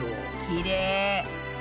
きれい。